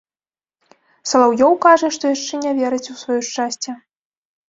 Салаўёў кажа, што яшчэ не верыць у сваё шчасце.